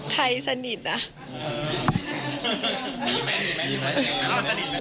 ใครสนิทอ่ะ